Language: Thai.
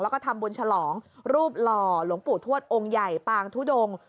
แล้วก็ทำบุญฉลองรูปหล่อหลวงปู่ทวดองค์ใหญ่ปางทุดง